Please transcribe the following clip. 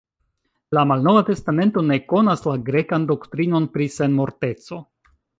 La Malnova Testamento ne konas la grekan doktrinon pri senmorteco.